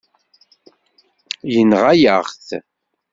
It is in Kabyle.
Yenɣa-yaɣ-t.